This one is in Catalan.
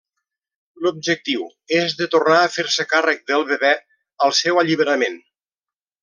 L'objectiu és de tornar a fer-se càrrec del bebè al seu alliberament.